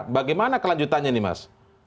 bagaimana kelanjutannya nih mas